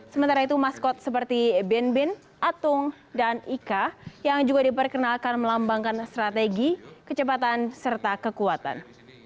sementara itu maskot seperti bin bin atung dan ika yang juga diperkenalkan melambangkan strategi kecepatan serta kekuatan